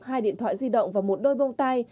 hai điện thoại di động và một đôi bông tai